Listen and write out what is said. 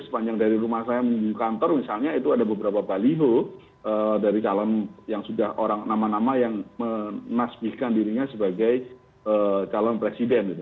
sepanjang dari rumah saya menuju kantor misalnya itu ada beberapa baliho dari calon yang sudah orang nama nama yang menasbihkan dirinya sebagai calon presiden gitu